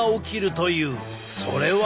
それは。